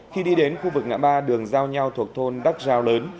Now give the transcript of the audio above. khi đi đến khu vực ngã ba đường giao nhao thuộc thôn đắc rào lớn